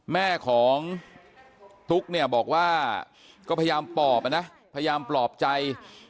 แม่ของตุ๊กเนี่ยบอกว่าก็พยายามปลอบนะพยายามปลอบใจ